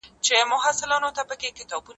که په پروګرام کي ستونزه وي نو فایل نه ذخیره کېږي.